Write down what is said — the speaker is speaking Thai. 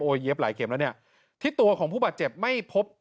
เย็บหลายเข็มแล้วเนี่ยที่ตัวของผู้บาดเจ็บไม่พบ